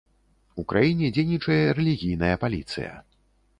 У краіне дзейнічае рэлігійная паліцыя.